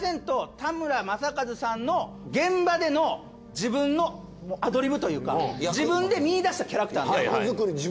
田村正和さんの現場での自分のアドリブというか自分で見い出したキャラクターなんです。